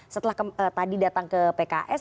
setelah tadi datang ke pks